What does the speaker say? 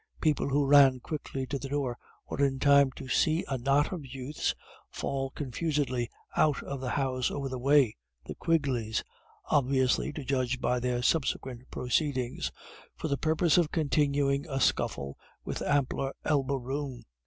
People who ran quickly to the door were in time to see a knot of youths fall confusedly out of the house over the way the Quigleys' obviously, to judge by their subsequent proceedings, for the purpose of continuing a scuffle with ampler elbow room.